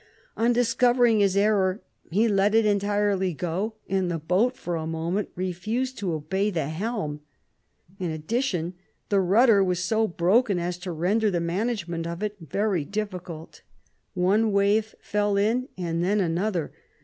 On discovering his error, he let it entirely go, and the boat for a moment refused to obey the helm ; in addition, the rudder was so broken as to render the management of it very difficult ; one wave fell in, and then another.